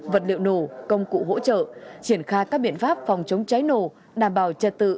vật liệu nổ công cụ hỗ trợ triển khai các biện pháp phòng chống cháy nổ đảm bảo trật tự